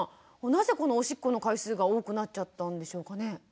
なぜこのおしっこの回数が多くなっちゃったんでしょうかね？